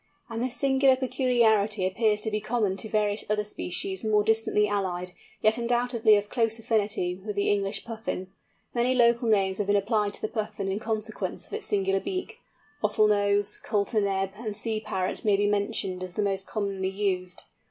And this singular peculiarity appears to be common to various other species, more distantly allied, yet undoubtedly of close affinity with the English Puffin. Many local names have been applied to the Puffin in consequence of its singular bill. Bottlenose, Coulterneb, and Sea Parrot, may be mentioned as the most commonly used.